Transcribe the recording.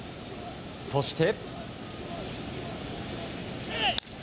そして。